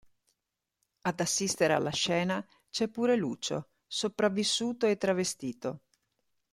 Ad assistere alla scena c'è pure Lucio, sopravvissuto e travestito.